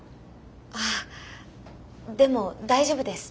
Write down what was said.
あでも大丈夫です。